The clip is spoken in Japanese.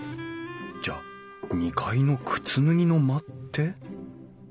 じゃあ２階の靴脱ぎの間って？